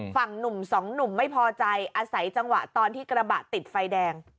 ฝั่งหนุ่มสองหนุ่มไม่พอใจอาศัยจังหวะตอนที่กระบะติดไฟแดง